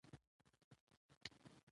دا دښتې له اعتقاداتو سره تړاو لري.